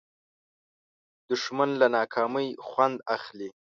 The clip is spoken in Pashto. دښمن له ناکامۍ خوند اخلي